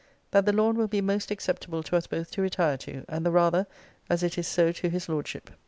'That The Lawn will be most acceptable to us both to retire to; and the rather, as it is so to his Lordship.